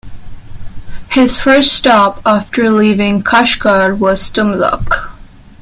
His first stop after leaving Kashgar was Tumxuk.